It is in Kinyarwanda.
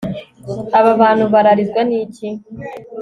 aba bantu bararizwa n'iki